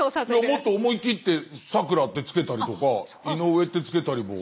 もっと思い切ってサクラってつけたりとかイノウエってつけたりも。